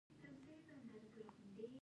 د غوټیو ورتولو ته ډنډار وایی.